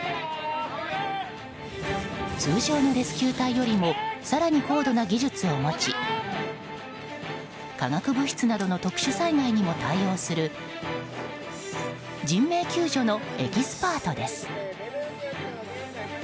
通常のレスキュー隊よりも更に高度な技術を持ち化学物質などの特殊災害にも対応する人命救助のエキスパートです。